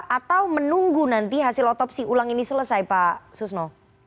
atau menunggu nanti hasil otopsi ulang ini selesai pak susno